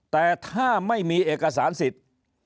แต่ถ้าไม่มีเอกสารสิทธิ์